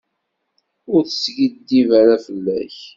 Ur teskiddib ara fell-ak.